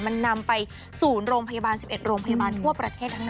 มันนำไปสู่โรงพยาบาล๑๑โรงพยาบาลทั่วประเทศทั้งนั้น